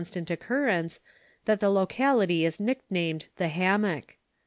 ] recurrence that the locality is nicknamed "the hammock."